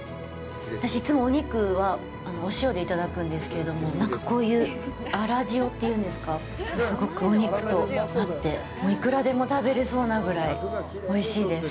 私、いつもお肉はお塩でいただくんですけれども、なんかこういう粗塩っていうんですかすごくお肉と合って、いくらでも食べれそうなぐらいおいしいです。